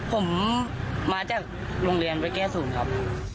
ผมมาจากโรงเรียนไปแก้ศูนย์ครับ